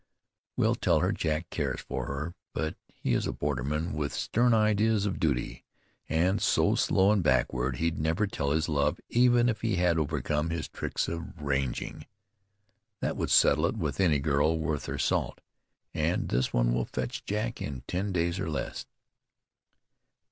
We'll tell her Jack cares for her; but he is a borderman with stern ideas of duty, and so slow and backward he'd never tell his love even if he had overcome his tricks of ranging. That would settle it with any girl worth her salt, and this one will fetch Jack in ten days, or less."